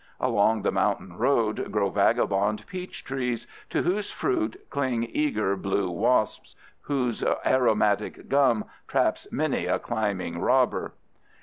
Along the mountain road grow vagabond peach trees, to whose fruit cling eager blue wasps, whose aromatic gum traps many a climbing robber.